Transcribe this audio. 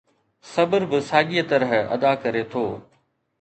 صبر به ساڳيءَ طرح ادا ڪري ٿو.